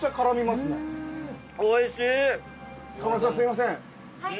すいません。